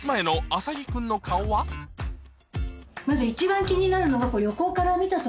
麻木君のまず一番気になるのが。